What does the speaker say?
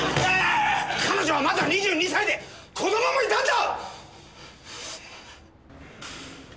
彼女はまだ２２歳で子供もいたんだ！！